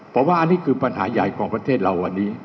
ผมว่าอันนี้คือปัญหาใหญ่ของประเทศเราวันนี้